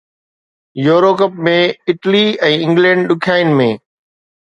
euro Cup ۾ Italy ۽ England ڏکيائين ۾